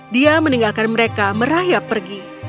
dia meninggalkan mereka merayap pergi